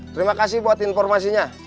terima kasih buat informasinya